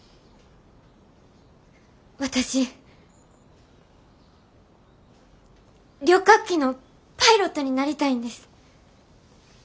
私旅客機のパイロットになりたいんです。